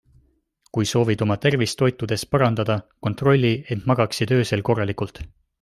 Kui soovid oma tervist toitudes parandada, kontrolli, et magaksid öösel korralikult.